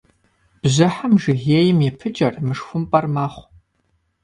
Бжьыхьэм жыгейм и пыкӏэр, мышхумпӏэр, мэхъу.